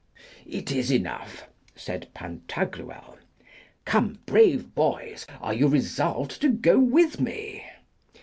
It is enough, said Pantagruel. Come, brave boys, are you resolved to go with me?